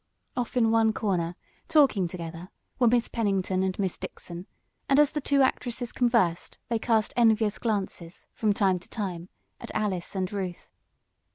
Off in one corner, talking together, were Miss Pennington and Miss Dixon, and, as the two actresses conversed they cast envious glances, from time to time, at Alice and Ruth.